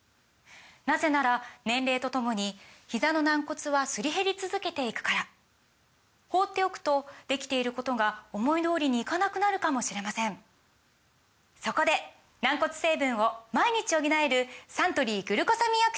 なぜなら年齢とともにひざの軟骨はすり減り続けていくから放っておくとできていることが思い通りにいかなくなるかもしれませんそこで軟骨成分を毎日補えるサントリー「グルコサミンアクティブ」！